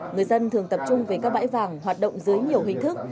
người dân thường tập trung về các bãi vàng hoạt động dưới nhiều hình thức